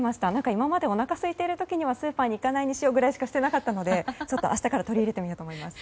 今まで、おなかすいている時にはスーパーには行かないようにしようぐらいしかしていなかったので明日から取り入れてみようと思います。